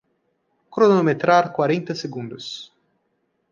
Cronometrar quarenta segundos